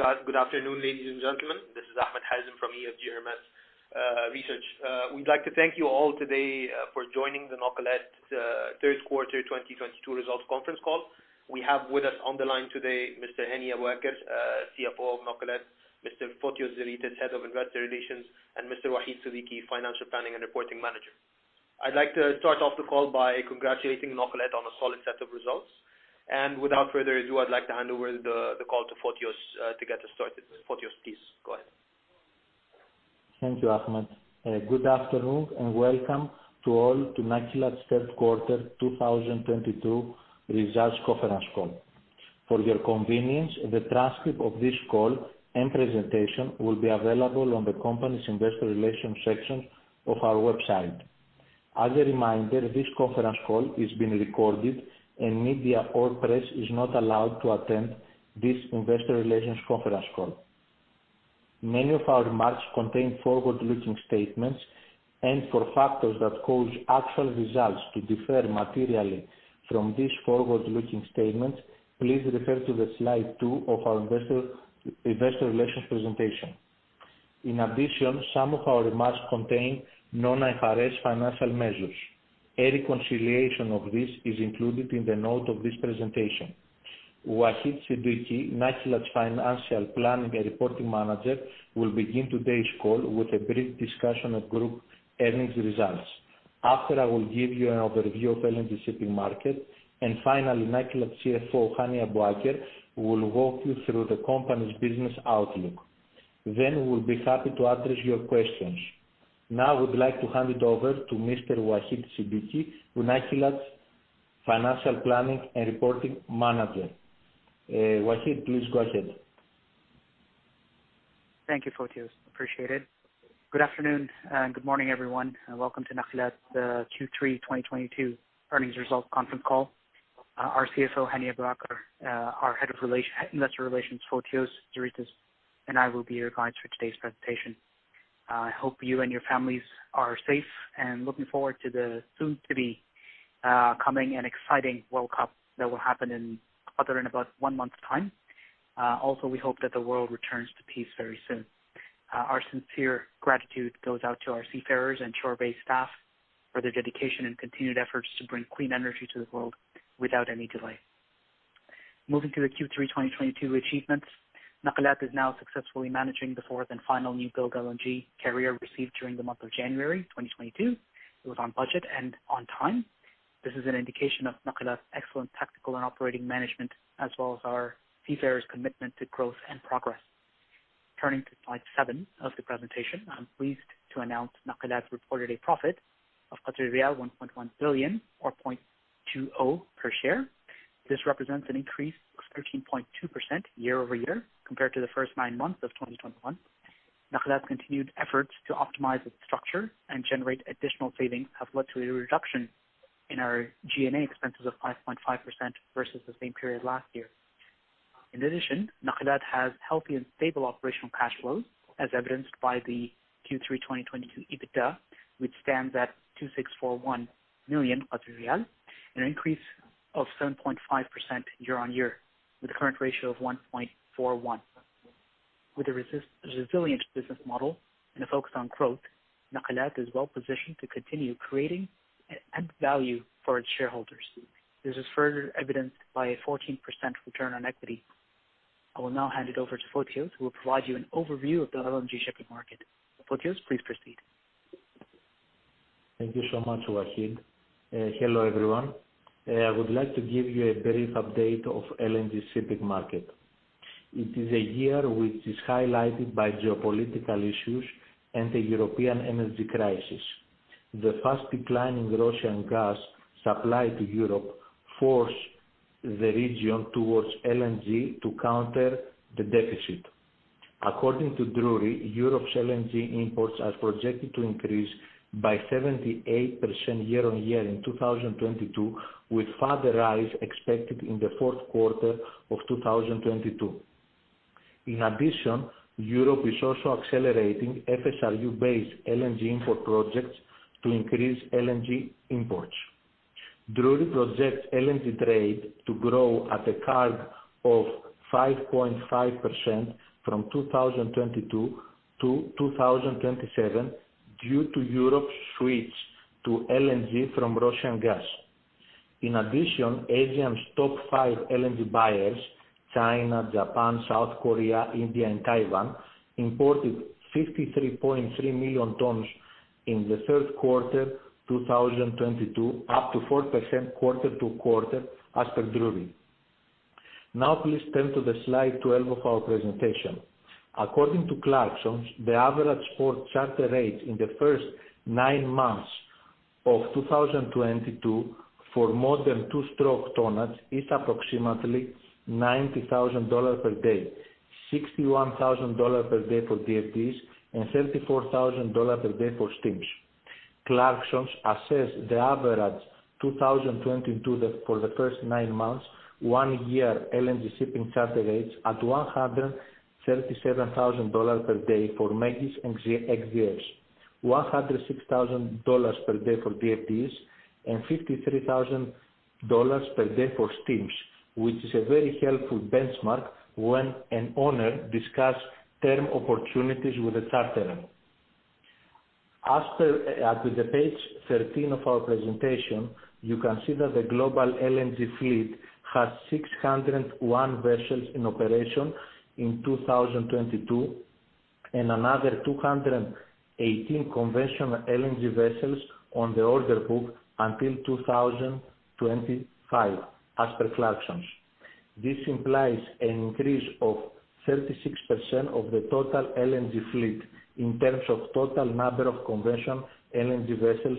Good afternoon, ladies and gentlemen. This is Ahmed Hazem from EFG Hermes Research. We'd like to thank you all today for joining the Nakilat Q3 2022 Results Conference Call. We have with us on the line today, Mr. Hani Abuaker, CFO of Nakilat, Mr. Fotios Zeritis, Head of Investor Relations, and Mr. Waheed Siddiqi, Financial Planning and Reporting Manager. I'd like to start off the call by congratulating Nakilat on a solid set of results. Without further ado, I'd like to hand over the call to Fotios to get us started. Fotios, please go ahead. Thank you, Ahmed. Good afternoon, and welcome to all to Nakilat's Q3 2022 results conference call. For your convenience, the transcript of this call and presentation will be available on the company's investor relations section of our website. As a reminder, this conference call is being recorded, and media or press is not allowed to attend this investor relations conference call. Many of our remarks contain forward-looking statements and for factors that cause actual results to differ materially from these forward-looking statements, please refer to slide two of our investor relations presentation. In addition, some of our remarks contain non-IFRS financial measures. A reconciliation of this is included in the note of this presentation. Waheed Siddiqi, Nakilat's Financial Planning and Reporting Manager, will begin today's call with a brief discussion of group earnings results. After, I will give you an overview of LNG shipping market, and finally, Nakilat CFO, Hani Abuaker, will walk you through the company's business outlook. We'll be happy to address your questions. Now, I would like to hand it over to Mr. Waheed Siddiqi, who Nakilat's Financial Planning & Reporting Manager. Waheed, please go ahead. Thank you, Fotios. Appreciate it. Good afternoon and good morning, everyone, and welcome to Nakilat Q3 2022 earnings results conference call. Our CFO, Hani Abuaker, our Head of Investor Relations, Fotios Zeritis, and I will be your guides for today's presentation. I hope you and your families are safe and looking forward to the soon to be coming and exciting World Cup that will happen in Qatar in about one month time. Also, we hope that the world returns to peace very soon. Our sincere gratitude goes out to our seafarers and shore-based staff for their dedication and continued efforts to bring clean energy to the world without any delay. Moving to the Q3 2022 achievements, Nakilat is now successfully managing the fourth and final new build LNG carrier received during the month of January 2022. It was on budget and on time. This is an indication of Nakilat's excellent tactical and operating management, as well as our seafarers' commitment to growth and progress. Turning to slide seven of the presentation, I'm pleased to announce Nakilat reported a profit of riyal 1.1 billion or 0.20 per share. This represents an increase of 13.2% year-over-year compared to the first nine months of 2021. Nakilat's continued efforts to optimize its structure and generate additional savings have led to a reduction in our G&A expenses of 5.5% versus the same period last year. In addition, Nakilat has healthy and stable operational cash flows, as evidenced by the Q3 2022 EBITDA, which stands at 2,641 million riyal, an increase of 7.5% year-on-year, with a current ratio of 1.41. With a resilient business model and a focus on growth, Nakilat is well positioned to continue creating and add value for its shareholders. This is further evidenced by a 14% return on equity. I will now hand it over to Fotios, who will provide you an overview of the LNG shipping market. Fotios, please proceed. Thank you so much, Waheed. Hello, everyone. I would like to give you a brief update of LNG shipping market. It is a year which is highlighted by geopolitical issues and the European energy crisis. The fast declining Russian gas supply to Europe forced the region towards LNG to counter the deficit. According to Drewry, Europe's LNG imports are projected to increase by 78% year-on-year in 2022, with further rise expected in the Q4 of 2022. In addition, Europe is also accelerating FSRU-based LNG import projects to increase LNG imports. Drewry projects LNG trade to grow at a CAGR of 5.5% from 2022 to 2027 due to Europe's switch to LNG from Russian gas. In addition, Asia's top five LNG buyers, China, Japan, South Korea, India, and Taiwan, imported 53.3 million tons in the Q3 2022, up 4% quarter-over-quarter as per Drewry. Now please turn to slide 12 of our presentation. According to Clarksons, the average for charter rates in the first nine months of 2022 for modern two-strokes is approximately $90,000 per day, $61,000 per day for DFDEs, and $34,000 per day for steams. Clarksons assess the average 2022 for the first nine months, one-year LNG shipping charter rates at $137,000 per day for ME-GIs and X-DFs. $106,000 per day for DFDEs and $53,000 per day for steam turbine vessels, which is a very helpful benchmark when an owner discuss term opportunities with a charterer. After at page 13 of our presentation, you can see that the global LNG fleet has 601 vessels in operation in 2022, and another 218 conventional LNG vessels on the order book until 2025, as per Clarksons. This implies an increase of 36% of the total LNG fleet in terms of total number of conventional LNG vessels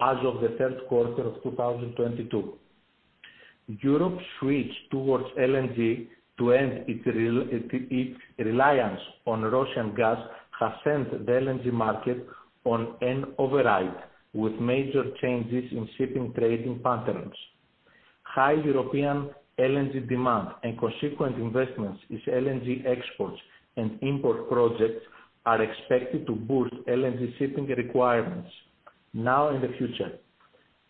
as of the Q3 of 2022. Europe switch towards LNG to end its reliance on Russian gas has sent the LNG market on an override, with major changes in shipping trading patterns. High European LNG demand and consequent investments in LNG exports and import projects are expected to boost LNG shipping requirements now and in the future.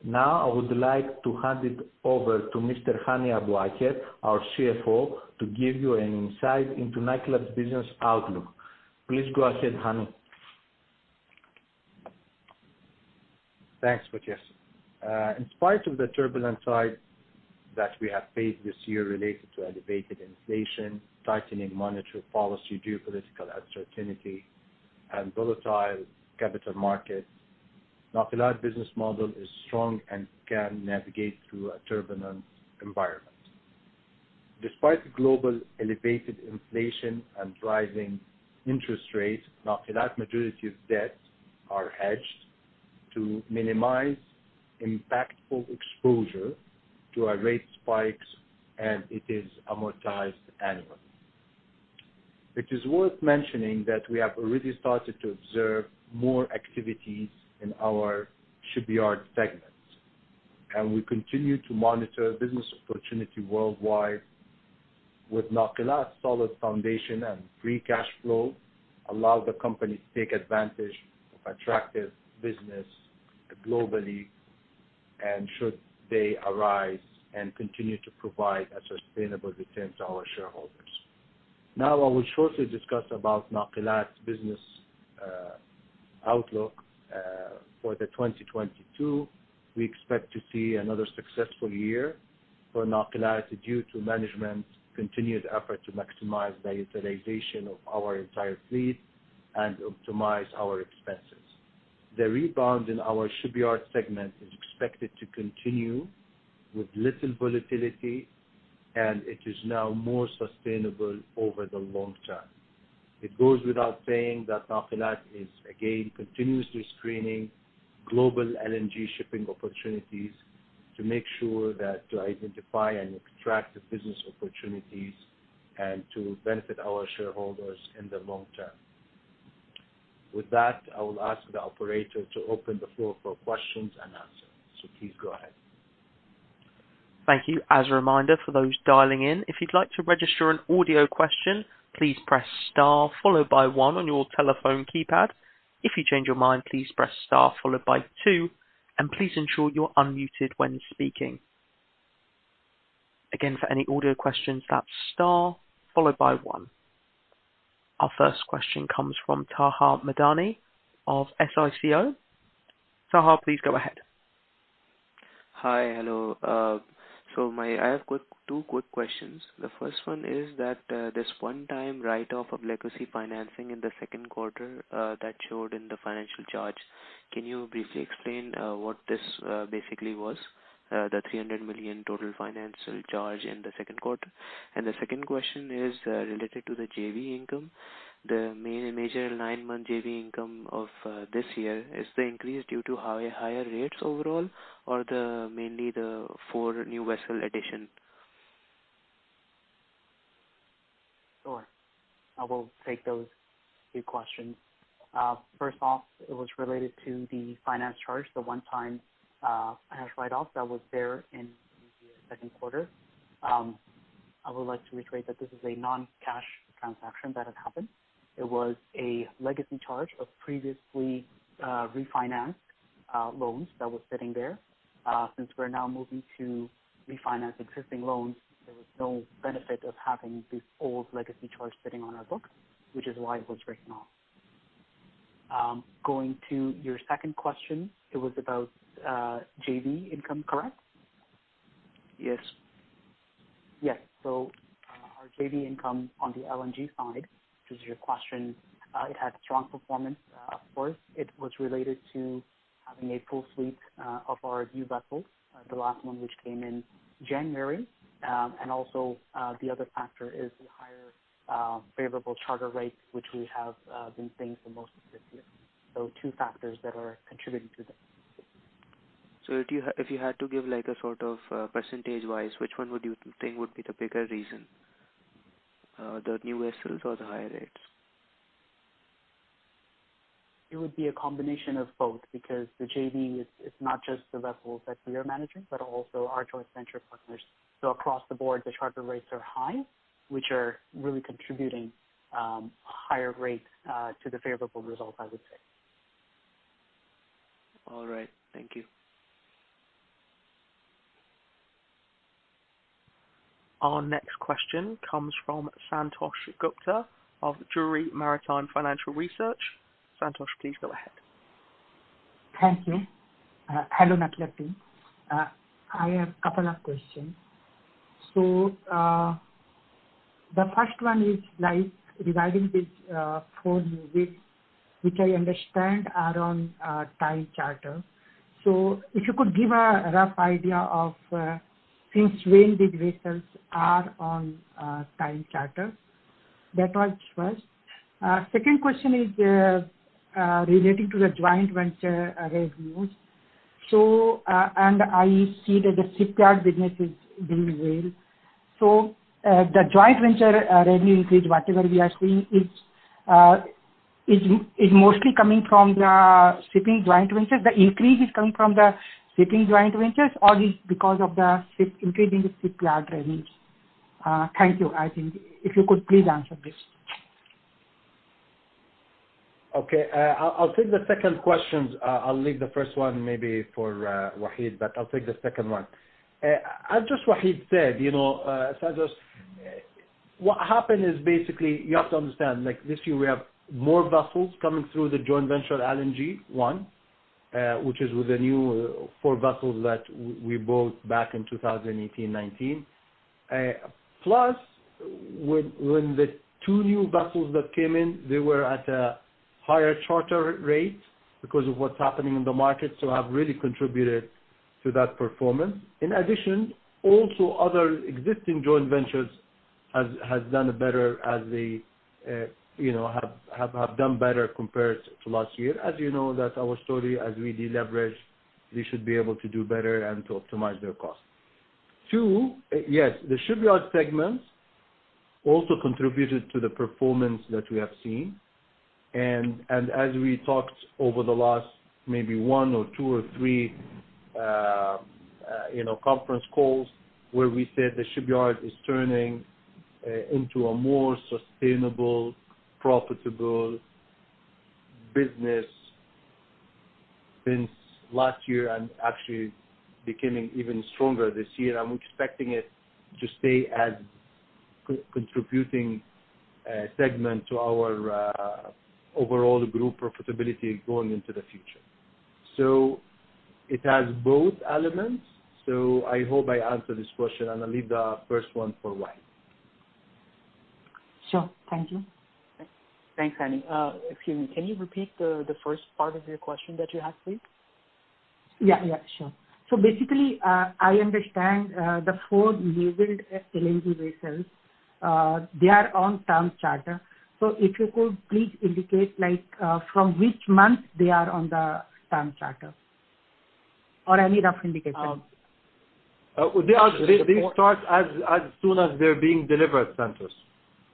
Now I would like to hand it over to Mr. Hani Abuaker, our CFO, to give you an insight into Nakilat's business outlook. Please go ahead, Hani. Thanks, Zeritis. In spite of the turbulent tide that we have faced this year related to elevated inflation, tightening monetary policy, geopolitical uncertainty and volatile capital markets, Nakilat business model is strong and can navigate through a turbulent environment. Despite global elevated inflation and rising interest rates, Nakilat majority of debts are hedged to minimize impactful exposure to our rate spikes, and it is amortized annually. It is worth mentioning that we have already started to observe more activities in our shipyard segments, and we continue to monitor business opportunity worldwide with Nakilat solid foundation and free cash flow, allow the company to take advantage of attractive business globally and should they arise and continue to provide a sustainable return to our shareholders. Now I will shortly discuss about Nakilat's business outlook for 2022. We expect to see another successful year for Nakilat due to management's continued effort to maximize the utilization of our entire fleet and optimize our expenses. The rebound in our shipyard segment is expected to continue with little volatility, and it is now more sustainable over the long term. It goes without saying that Nakilat is again continuously screening global LNG shipping opportunities to make sure to identify any attractive business opportunities and to benefit our shareholders in the long term. With that, I will ask the operator to open the floor for questions and answers. Please go ahead. Thank you. As a reminder for those dialing in, if you'd like to register an audio question, please press star followed by one on your telephone keypad. If you change your mind, please press star followed by two, and please ensure you're unmuted when speaking. Again, for any audio questions, that's star followed by one. Our first question comes from Taha Madani of SICO. Taha, please go ahead. Hi. Hello. I have two quick questions. The first one is that this one-time write-off of legacy financing in the Q2 that showed in the financial charge. Can you briefly explain what this basically was, the 300 million total financial charge in the Q2? The second question is related to the JV income. The major nine-month JV income of this year, is the increase due to higher rates overall, or mainly the four new vessel addition? Sure. I will take those two questions. First off, it was related to the finance charge, the one-time, finance write-offs that was there in the Q2. I would like to reiterate that this is a non-cash transaction that has happened. It was a legacy charge of previously, refinanced, loans that were sitting there. Since we're now moving to refinance existing loans, there was no benefit of having these old legacy charge sitting on our books, which is why it was written off. Going to your second question, it was about, JV income, correct? Yes. Yes. Our JV income on the LNG side, which is your question, it had strong performance. Of course, it was related to having a full suite of our new vessels, the last one which came in January. Also, the other factor is the higher favorable charter rates, which we have been seeing for most of this year. Two factors that are contributing to that. If you had to give like a sort of percentage-wise, which one would you think would be the bigger reason, the new vessels or the higher rates? It would be a combination of both because the JV is, it's not just the vessels that we are managing, but also our joint venture partners. Across the board, the charter rates are high, which are really contributing higher rates to the favorable results, I would say. All right. Thank you. Our next question comes from Santosh Gupta of Drewry Maritime Financial Research. Santosh, please go ahead. Thank you. Hello, Nakilat team. I have a couple of questions. The first one is like regarding this four new, which I understand are on time charter. If you could give a rough idea of since when these vessels are on time charter. That was first. Second question is relating to the joint venture revenues. I see that the shipyard business is doing well. The joint venture revenue increase, whatever we are seeing, is mostly coming from the shipping joint venture. The increase is coming from the shipping joint ventures, or is it because of the shipyard increasing the shipyard revenues? Thank you. I think if you could please answer this. Okay. I'll take the second question. I'll leave the first one maybe for Waheed, but I'll take the second one. As just Waheed said, you know, Santosh, what happened is basically you have to understand like this year we have more vessels coming through the joint venture LNG one, which is with the new four vessels that we bought back in 2018, 2019. Plus when the two new vessels that came in, they were at a higher charter rate because of what's happening in the market. Have really contributed to that performance. In addition, also other existing joint ventures has done better as they, you know, have done better compared to last year. As you know, that's our story as we deleverage, we should be able to do better and to optimize their costs. Two, yes, the shipyard segment also contributed to the performance that we have seen. As we talked over the last maybe one or two or three, you know, conference calls, where we said the shipyard is turning into a more sustainable, profitable business since last year and actually becoming even stronger this year. I'm expecting it to stay as contributing segment to our overall group profitability going into the future. It has both elements. I hope I answer this question and I'll leave the first one for Waheed Siddiqi. Sure. Thank you. Thanks. Hani. Excuse me, can you repeat the first part of your question that you had, please? Yeah, sure. Basically, I understand, the four newbuild LNG vessels, they are on term charter. If you could please indicate like, from which month they are on the term charter or any rough indication. They start as soon as they're being delivered, Santosh.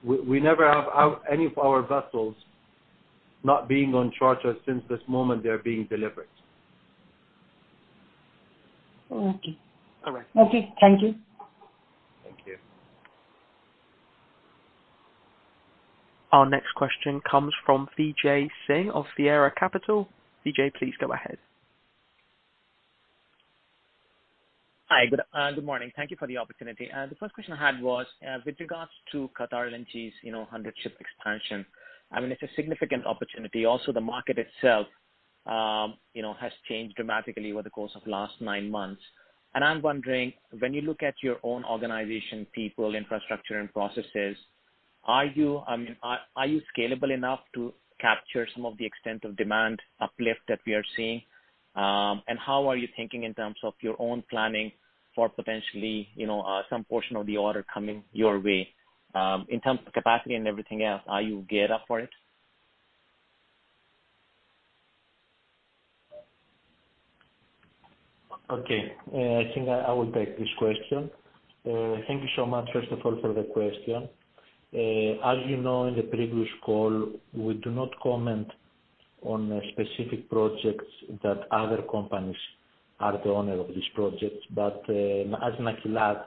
We never have any of our vessels not being on charter since this moment they're being delivered. Okay. Correct. Okay. Thank you. Thank you. Our next question comes from Vijay Singh of Sierra Capital. Vijay, please go ahead. Hi. Good morning. Thank you for the opportunity. The first question I had was with regards to QatarEnergy LNG's, you know, 100-ship expansion. I mean, it's a significant opportunity. Also, the market itself, you know, has changed dramatically over the course of last nine months. I'm wondering, when you look at your own organization, people, infrastructure and processes, are you, I mean, are you scalable enough to capture some of the extent of demand uplift that we are seeing? How are you thinking in terms of your own planning for potentially, you know, some portion of the order coming your way? In terms of capacity and everything else, are you geared up for it? Okay. I think I will take this question. Thank you so much, first of all, for the question. As you know, in the previous call, we do not comment on specific projects that other companies are the owner of these projects. As Nakilat,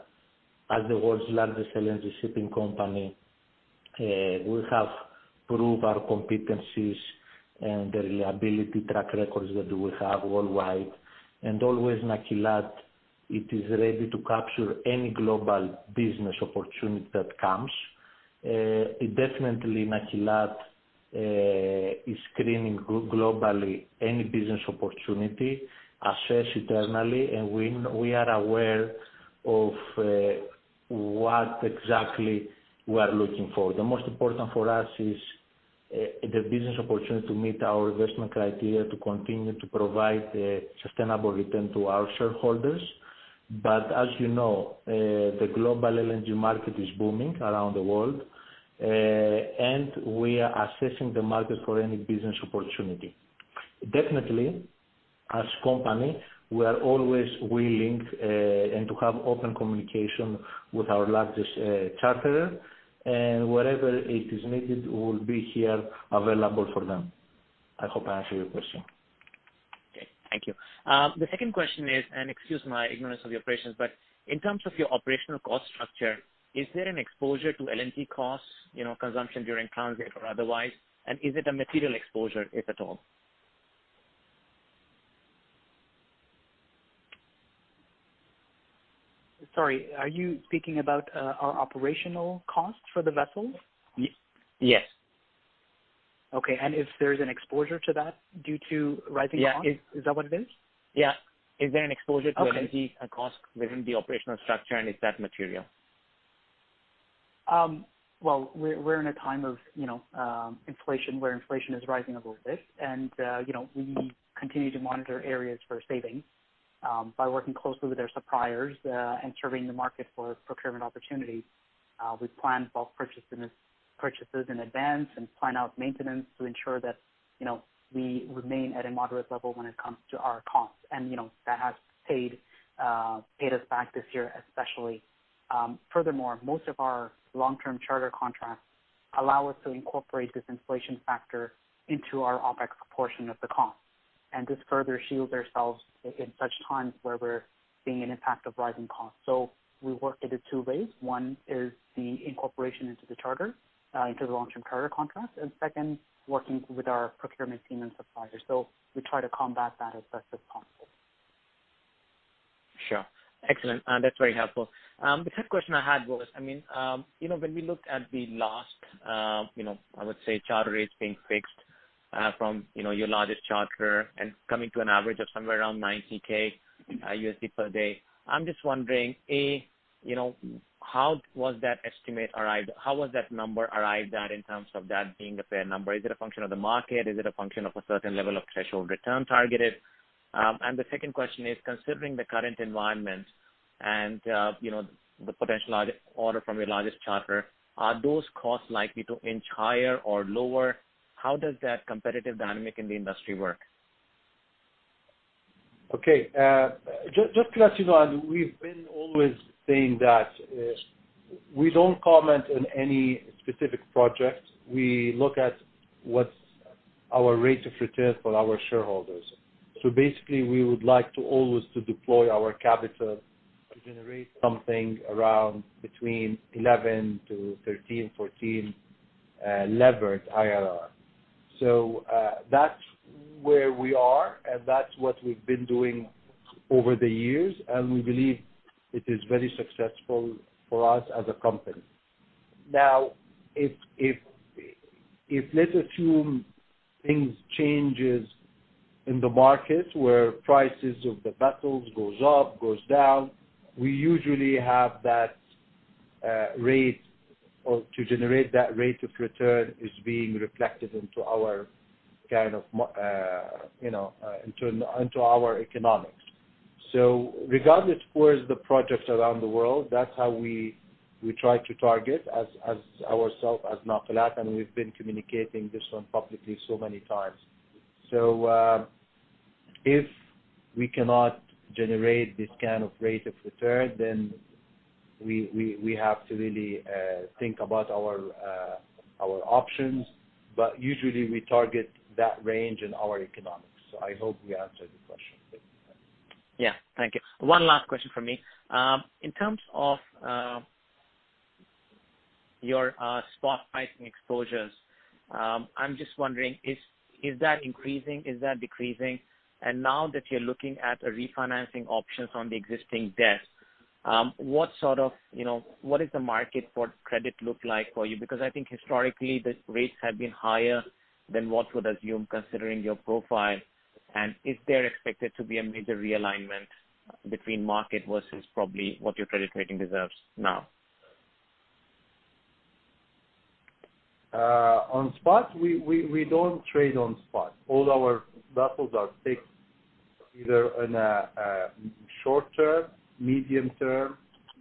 as the world's largest LNG shipping company, we have proved our competencies and the reliability track records that we have worldwide. Always Nakilat is ready to capture any global business opportunity that comes. Definitely Nakilat is screening globally any business opportunity, assess internally, and we are aware of what exactly we are looking for. The most important for us is the business opportunity to meet our investment criteria to continue to provide a sustainable return to our shareholders. As you know, the global LNG market is booming around the world, and we are assessing the market for any business opportunity. Definitely, as a company, we are always willing and to have open communication with our largest charterer, and wherever it is needed, we will be here available for them. I hope I answered your question. Okay. Thank you. The second question is, and excuse my ignorance of your operations, but in terms of your operational cost structure, is there an exposure to LNG costs, you know, consumption during transit or otherwise? Is it a material exposure, if at all? Sorry, are you speaking about our operational costs for the vessels? Yes. Okay. If there's an exposure to that due to rising costs? Yeah. Is that what it is? Yeah. Is there an exposure? Okay. To energy costs within the operational structure, and is that material? Well, we're in a time of, you know, inflation, where inflation is rising a little bit. You know, we continue to monitor areas for savings by working closely with our suppliers and surveying the market for procurement opportunities. We plan both purchases in advance and plan out maintenance to ensure that, you know, we remain at a moderate level when it comes to our costs. You know, that has paid us back this year especially. Furthermore, most of our long-term charter contracts allow us to incorporate this inflation factor into our OPEX portion of the cost, and this further shields ourselves in such times where we're seeing an impact of rising costs. We work at it two ways. One is the incorporation into the charter, into the long-term charter contract, and second, working with our procurement team and suppliers. We try to combat that as best as possible. Sure. Excellent. That's very helpful. The third question I had was, I mean, you know, when we look at the last, you know, I would say charter rates being fixed, from, you know, your largest charter and coming to an average of somewhere around $90,000 per day, I'm just wondering, A, you know, how was that estimate arrived? How was that number arrived at in terms of that being a fair number? Is it a function of the market? Is it a function of a certain level of threshold return targeted? The second question is, considering the current environment and, you know, the potential large order from your largest charter, are those costs likely to inch higher or lower? How does that competitive dynamic in the industry work? Okay. Just to let you know, and we've been always saying that, we don't comment on any specific projects. We look at what's our rate of return for our shareholders. Basically, we would like to always to deploy our capital to generate something around between 11% to 14% levered IRR. That's where we are, and that's what we've been doing over the years, and we believe it is very successful for us as a company. Now, if let's assume things changes in the market where prices of the vessels goes up, goes down, we usually have that rate or to generate that rate of return is being reflected into our kind of, you know, into our economics. Regardless where is the project around the world, that's how we try to target as ourselves as Nakilat, and we've been communicating this one publicly so many times. If we cannot generate this kind of rate of return, then we have to really think about our options. Usually we target that range in our economics. I hope we answered the question. Yeah. Thank you. One last question from me. In terms of your spot pricing exposures, I'm just wondering, is that increasing? Is that decreasing? Now that you're looking at refinancing options on the existing debt, what sort of what is the market for credit look like for you? Because I think historically the rates have been higher than what would assume, considering your profile. Is there expected to be a major realignment between market versus probably what your credit rating deserves now? On spots, we don't trade on spot. All our vessels are fixed either in a short-term, medium-term,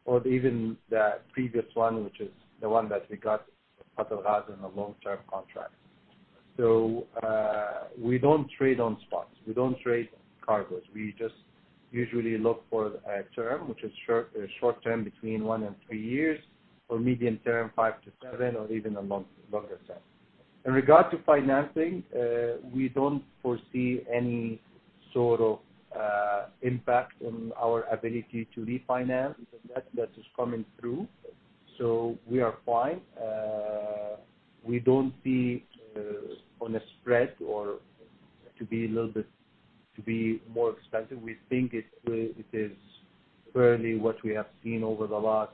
or even the previous one, which is the one that we got, Qatargas, in a long-term contract. We don't trade on spots. We don't trade cargos. We just usually look for a term which is short-term between one and three years, or medium-term, five to seven, or even a longer term. In regard to financing, we don't foresee any sort of impact on our ability to refinance. That is coming through, so we are fine. We don't see on a spread or to be a little bit more expensive. We think it is fairly what we have seen over the last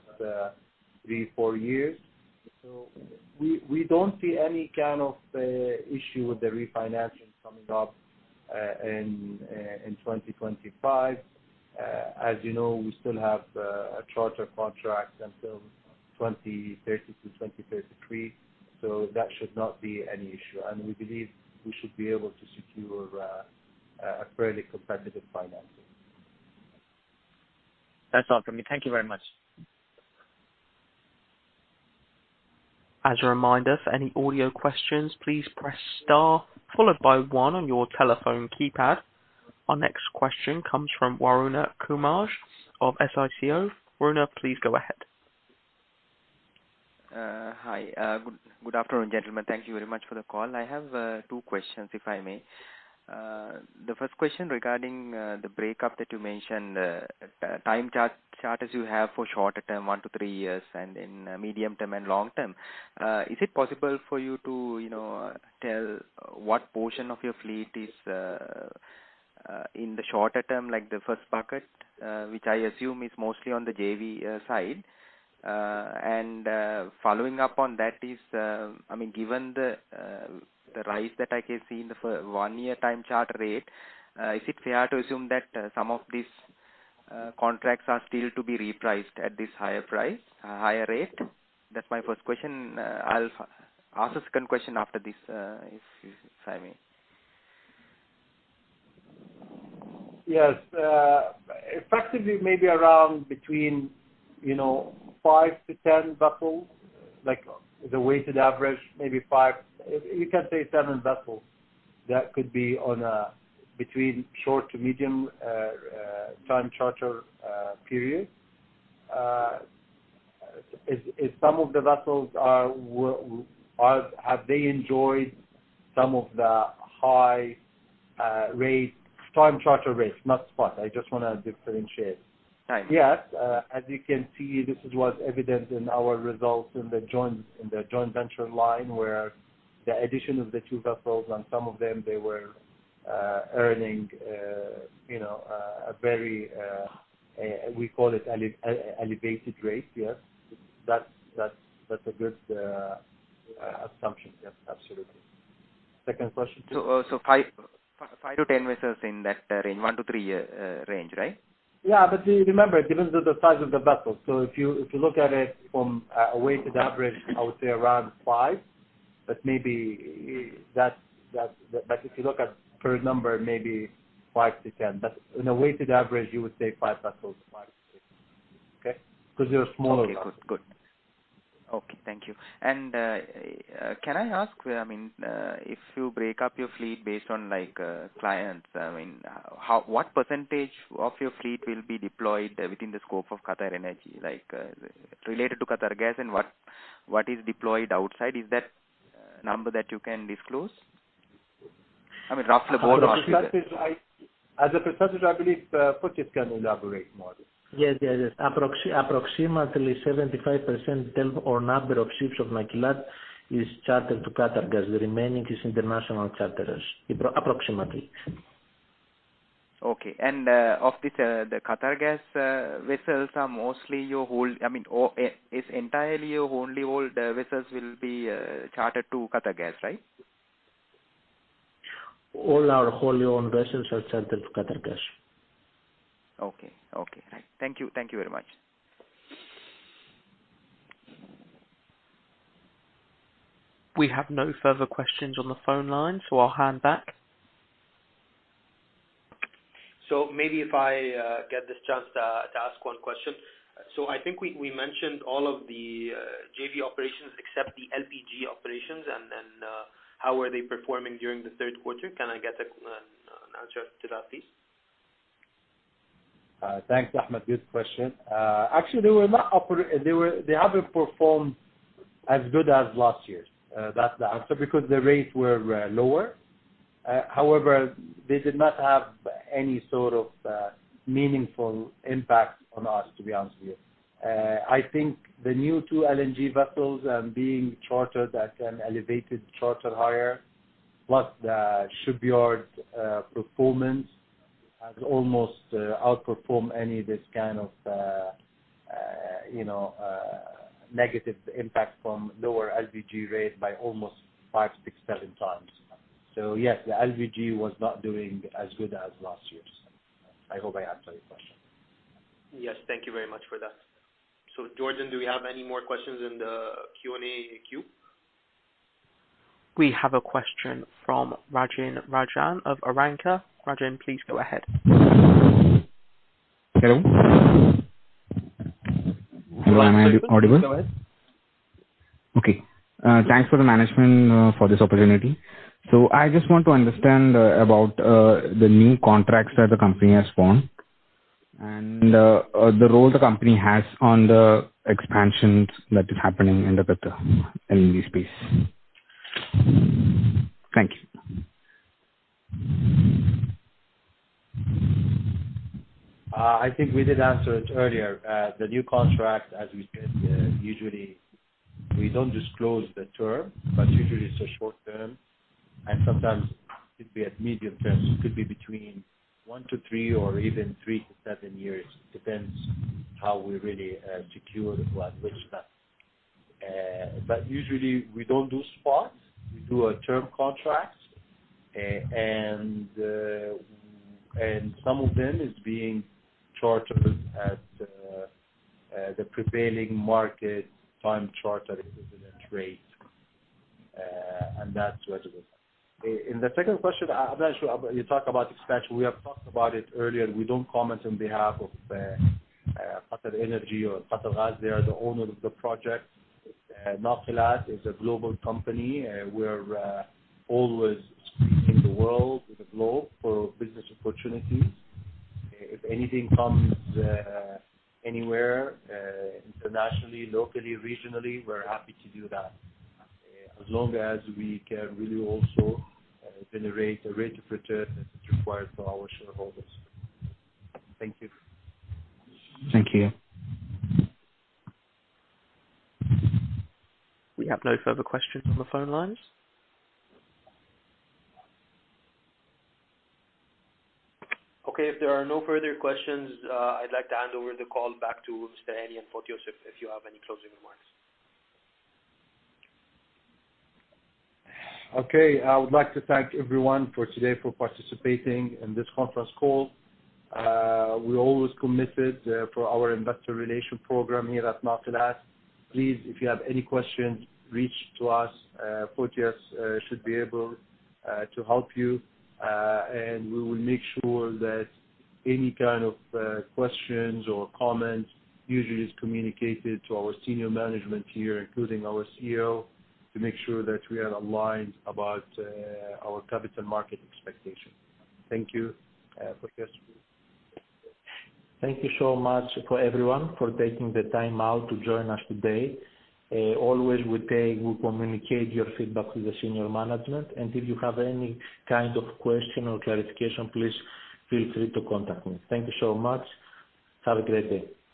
three, four years. We don't see any kind of issue with the refinancing coming up in 2025. As you know, we still have a charter contract until 2030 to 2033. That should not be any issue. We believe we should be able to secure a fairly competitive financing. That's all from me. Thank you very much. As a reminder, for any audio questions, please press star followed by one on your telephone keypad. Our next question comes from Varun Kumar of SICO. Varuna, please go ahead. Hi. Good afternoon, gentlemen. Thank you very much for the call. I have two questions, if I may. The first question regarding the breakup that you mentioned, time charters you have for shorter term, one to three years, and then medium-term and long-term. Is it possible for you to, you know, tell what portion of your fleet is in the shorter term, like the first bucket, which I assume is mostly on the JV side. Following up on that is, I mean, given the rise that I can see in the 1-year time charter rate, is it fair to assume that some of these contracts are still to be repriced at this higher price, higher rate? That's my first question. I'll ask a second question after this, if you allow me. Yes. Effectively, maybe around between, you know, five to 10 vessels, like the weighted average, maybe five. You can say seven vessels that could be on between short to medium time charter period. Have they enjoyed some of the high rate time charter rates, not spot? I just wanna differentiate. Thanks. Yes. As you can see, this is what's evident in our results in the joint venture line, where the addition of the two vessels, on some of them, they were earning, you know, a very, we call it elevated rate. Yes. That's a good assumption. Yes, absolutely. Second question? five to 10 vessels in that range, one to three year range, right? Yeah. Remember, it depends on the size of the vessel. If you look at it from a weighted average, I would say around five, but maybe that. If you look at per number, maybe five to 10. In a weighted average, you would say five vessels to five, okay? Because they're smaller vessels. Okay. Good. Thank you. Can I ask, I mean, if you break up your fleet based on, like, clients, I mean, what percentage of your fleet will be deployed within the scope of QatarEnergy, like, related to Qatargas? What is deployed outside? Is that a number that you can disclose? I mean, roughly, ballpark figure. As a percentage, I believe Fotios can elaborate more. Yes. Approximately 75% total or number of ships of Nakilat is chartered to Qatargas. The remaining is international charterers, approximately. Okay. Of this, the Qatargas vessels are mostly your old, I mean, or is entirely your only old vessels will be chartered to Qatargas, right? All our wholly owned vessels are chartered to Qatargas. Okay. Thank you very much. We have no further questions on the phone line, so I'll hand back. Maybe if I get this chance to ask one question. I think we mentioned all of the JV operations except the LPG operations. How were they performing during the Q3? Can I get an answer to that, please? Thanks, Ahmed. Good question. Actually, they haven't performed as good as last year. That's the answer. Because the rates were lower. However, they did not have any sort of meaningful impact on us, to be honest with you. I think the new two LNG vessels being chartered at an elevated charter hire, plus the shipyard performance has almost outperformed any of this kind of, you know, negative impact from lower LPG rate by almost five, six, seven times. Yes, the LPG was not doing as good as last year. I hope I answered your question. Yes. Thank you very much for that. Jordan, do we have any more questions in the Q&A queue? We have a question from Rajin Ranjit of Aranca. Rajan, please go ahead. Hello? Am I audible? Yes. Go ahead. Okay. Thanks to the management for this opportunity. I just want to understand about the new contracts that the company has won and the role the company has on the expansions that is happening in the QatarEnergy LNG space. Thank you. I think we did answer it earlier. The new contract, as we said, usually we don't disclose the term, but usually it's a short term, and sometimes it could be a medium term. It could be between one to three or even three to seven years. Depends how we really secure it, at which time. Usually we don't do spots. We do a term contract. Some of them is being chartered at the prevailing market time charter equivalent rate. And that's what it is. In the second question, I'm not sure. You talk about expansion. We have talked about it earlier. We don't comment on behalf of QatarEnergy or Qatargas. They are the owner of the project. Nakilat is a global company. We're always in the world with a globe for business opportunities. If anything comes anywhere, internationally, locally, regionally, we're happy to do that, as long as we can really also generate a rate of return as is required for our shareholders. Thank you. Thank you. We have no further questions on the phone lines. Okay. If there are no further questions, I'd like to hand over the call back to Mr. Hani Abuaker and Fotios Zeritis, if you have any closing remarks. Okay. I would like to thank everyone for today for participating in this conference call. We're always committed for our investor relation program here at Nakilat. Please, if you have any questions, reach to us. Fotios should be able to help you. We will make sure that any kind of questions or comments usually is communicated to our senior management here, including our CEO, to make sure that we are aligned about our capital market expectations. Thank you. Fotios. Thank you so much for everyone for taking the time out to join us today. We communicate your feedback to the senior management, and if you have any kind of question or clarification, please feel free to contact me. Thank you so much. Have a great day.